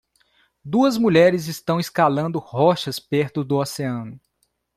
Duas mulheres estão escalando rochas perto do oceano.